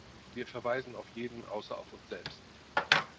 Wir verweisen auf jeden außer auf uns selbst.